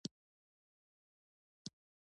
مضامين او افسانې ډرامې او ترجمې يې هم کړې دي